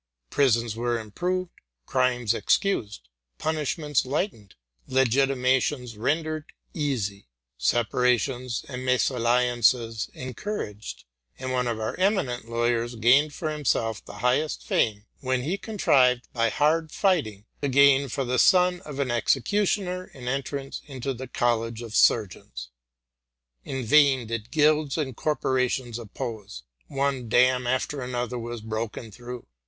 Prisons were improved, crimes excused, punishments lightened, legitima tions rendered easy, separations and unequal marriages en couraged; and one of our eminent lawyers gained for himself the highest fame, when he contrived, by hard fighting, to gain for the son of an executioner an entrance into the col lege of surgeons. In vain did guilds and corporations op pose: one dam after another was broken through.